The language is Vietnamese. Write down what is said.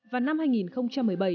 và năm hai nghìn một mươi bảy